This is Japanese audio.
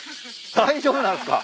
大丈夫なんすか？